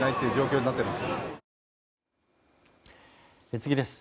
次です。